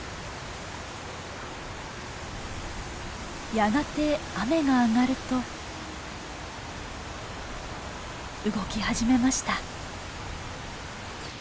やがて雨が上がると動き始めました。